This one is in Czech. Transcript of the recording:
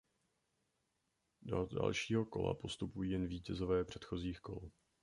Do dalšího kola postupují jen vítězové předchozích kol.